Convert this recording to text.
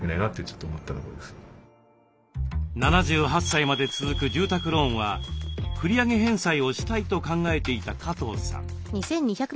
７８歳まで続く住宅ローンは繰り上げ返済をしたいと考えていた加藤さん。